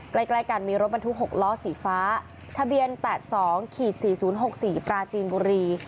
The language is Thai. ใกล้กันมีรถบรรทุก๖ล้อสีฟ้าทะเบียน๘๒๔๐๖๔ปราจีนบุรี